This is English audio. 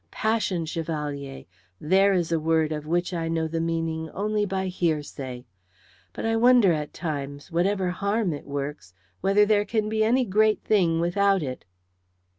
Passion, Chevalier! There is a word of which I know the meaning only by hearsay. But I wonder at times, whatever harm it works, whether there can be any great thing without it.